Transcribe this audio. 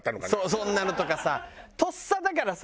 そんなのとかさとっさだからさ